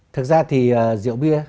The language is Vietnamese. thực ra thì rượu bia